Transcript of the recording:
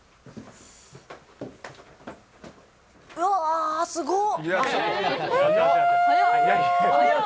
うわー、すごっ。